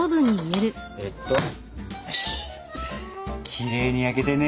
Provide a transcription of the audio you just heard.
きれいに焼けてね